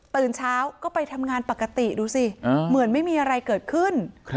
เช้าก็ไปทำงานปกติดูสิเหมือนไม่มีอะไรเกิดขึ้น